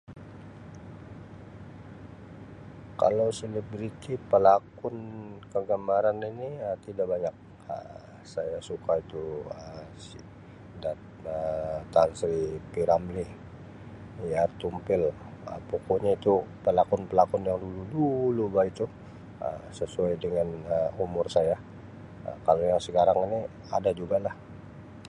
Kalau selebriti palakun kegamaran ini Um tidak banyak Um saya suka itu Um Si da-da Tan Sri P Ramlee, AR Tompel Um poko nya tu palakun palakun yang dulu dulu bah itu Um sesuai dengan Um umur saya Um kalau yang sekarang ini ada juga lah.